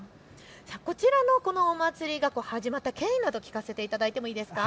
こちらのお祭りが始まった経緯などを聞かせていただいてもいいですか。